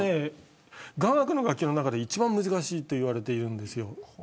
雅楽の楽器の中で一番難しいと言われているんです。